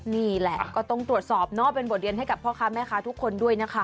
นี่แหละก็ต้องตรวจสอบเนาะเป็นบทเรียนให้กับพ่อค้าแม่ค้าทุกคนด้วยนะคะ